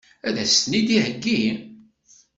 Ad as-ten-id-iheggi?